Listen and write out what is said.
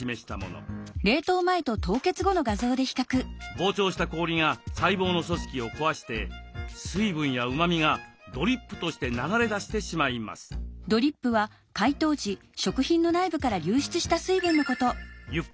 膨張した氷が細胞の組織を壊して水分やうまみがドリップとして流れ出してしまいます。